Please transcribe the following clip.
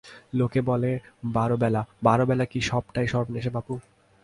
লোকে বলে বারবেলা, বারবেলা কী সবটাই সর্বনেশে বাপু?